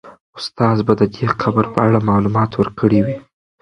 استاد به د دې قبر په اړه معلومات ورکړي وي.